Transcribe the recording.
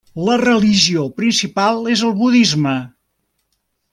La religió principal és el budisme.